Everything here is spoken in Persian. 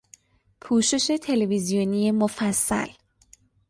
پوشش تلویزیونی مفصل